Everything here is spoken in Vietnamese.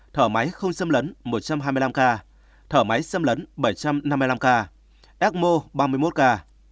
thở máy không xâm lấn một trăm hai mươi năm ca thở máy xâm lấn bảy trăm năm mươi năm ca ecmo ba mươi một ca